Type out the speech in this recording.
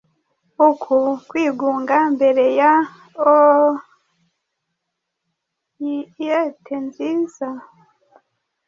Uku kwigunga mbere ya oiyete nziza